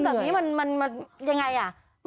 คือเรื่องแบบนี้มันยังไงอ่ะ